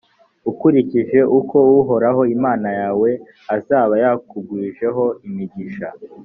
ukurikije uko uhoraho imana yawe azaba yakugwijeho imigisha.